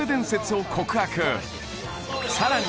さらに